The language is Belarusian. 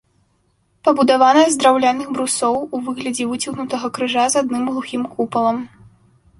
Пабудавана з драўляных брусоў, у выглядзе выцягнутага крыжа з адным глухім купалам.